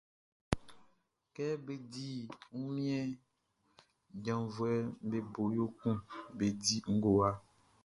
Kɛ bé dí wunmiɛnʼn, janvuɛʼm be bo yo kun be di ngowa.